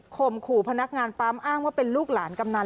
มขู่พนักงานปั๊มอ้างว่าเป็นลูกหลานกำนัน